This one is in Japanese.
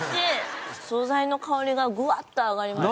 素材の香りがぐわっと上がります。